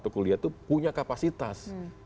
lulus sekolah atau kuliah itu punya kapasitas